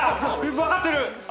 分かってる！